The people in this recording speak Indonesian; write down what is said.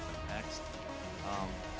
kemampuan merusak ke ukraina